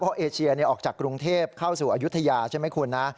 เพราะเอเชียเนี่ยออกจากกรุงเทพเข้าสู่อยุธยาใช่มั้ยคุณค่ะ